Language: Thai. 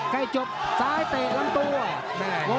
ใกล้จบซ้ายเตะลำตัว